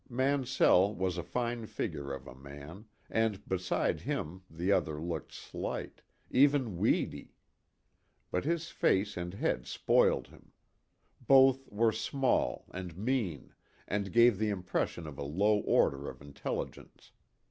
Mansell was a fine figure of a man, and beside him the other looked slight, even weedy. But his face and head spoiled him. Both were small and mean, and gave the impression of a low order of intelligence.